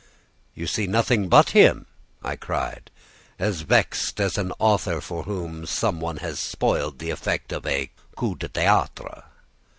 "You see nothing but him!" I cried, as vexed as an author for whom some one has spoiled the effect of a coup de theatre.